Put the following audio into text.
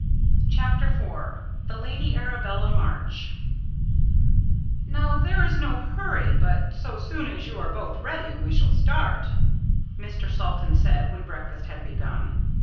CHAPTER IV THE LADY ARABELLA MARCH "Now, there is no hurry, but so soon as you are both ready we shall start," Mr. Salton said when breakfast had begun.